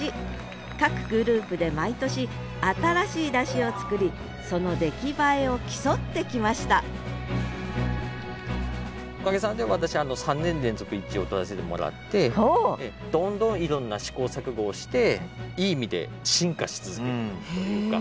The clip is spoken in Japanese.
各グループで毎年新しい山車を作りその出来栄えを競ってきましたおかげさまで私３年連続１位を取らせてもらってどんどんいろんな試行錯誤をしていい意味で進化し続けるというか。